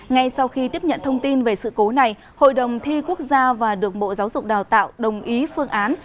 ngay sau khi tiếp nhận thông tin về sự cố này hội đồng thi quốc gia và được bộ giáo dục đào tạo đồng ý phương án